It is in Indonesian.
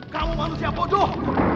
kamu manusia bodoh